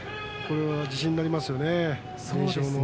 これは自信になりますね。